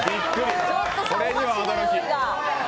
これには驚き！